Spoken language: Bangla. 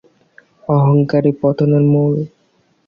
অহংকারই পতনের মূল।